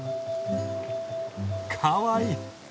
かわいい。